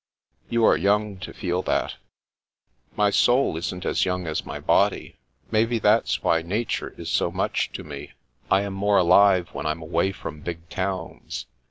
" You are young to fed that." " My soul isn't as young as my body. Maybe that's why nature is so much to me. I am more alive when I'm away from big towns.